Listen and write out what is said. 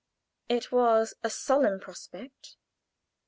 It was a solemn prospect.